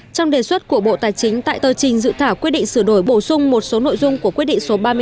trong đề xuất của bộ tài chính tại tờ trình dự thảo quyết định sửa đổi bổ sung một số nội dung của quyết định số ba mươi năm